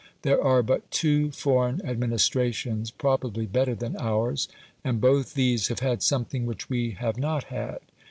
There are but two foreign administrations probably better than ours, and both these have had something which we have not had.